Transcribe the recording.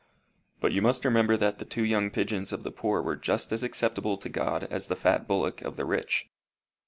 But you must remember that the two young pigeons of the poor were just as acceptable to God as the fat bullock of the rich.